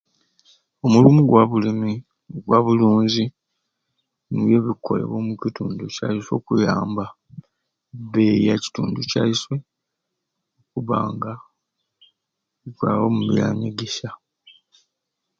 Omulumu gwa bulumi gwa bulunzi nibyo ebikukolebwa omu kitundu kyaiswe okuyamba ebeeyi ya kitundu kyaiswe okubba nga ekwaba omu byanyegesya.